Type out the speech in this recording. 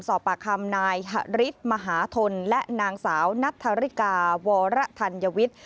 สอบปากคำนายฤทธิ์มหาธนและนางสาวนัทธาริกาวรธัญวิทย์